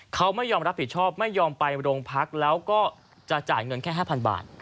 เขาไม่ยอมรับผิดชอบไม่ยอมไปโรงพักแล้วก็จะจ่ายเงินแค่๕๐๐บาท